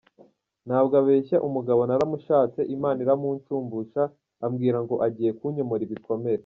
Ntabwo abeshya umugabo naramushatse, Imana iramunshumbusha ambwira ngo agiye kunyomora ibikomere.